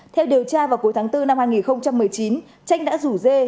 theo điều tra vào cuối tháng bốn năm hai nghìn một mươi chín tranh đã rủ dê